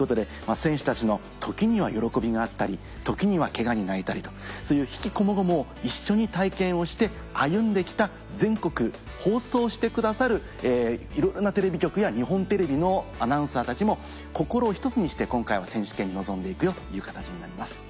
選手たちの時には喜びがあったり時にはケガに泣いたりとそういう悲喜こもごもを一緒に体験をして歩んで来た全国放送してくださるいろいろなテレビ局や日本テレビのアナウンサーたちも心を一つにして今回は選手権に臨んで行くよという形になります。